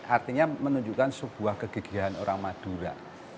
artinya menunjukkan sebuah kegigihan orang madura